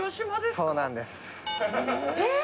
そうなんです。えっ！？